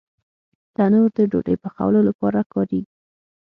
تنور د ډوډۍ پخولو لپاره کارېږي